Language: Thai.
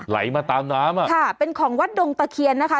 ไหลมาตามน้ำอ่ะค่ะเป็นของวัดดงตะเคียนนะคะ